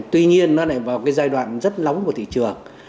tuy nhiên nó lại vào cái giai đoạn rất nóng của thị trường